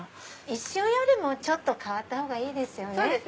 一緒よりも変わったほうがいいですよね。